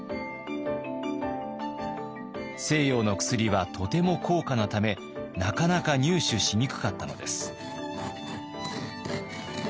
西洋の薬はとても高価なためなかなか入手しにくかったのです。